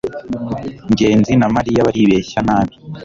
ngenzi na mariya baribeshya nabi